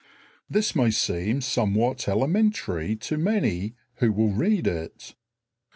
This may seem somewhat elementary to many who will read it.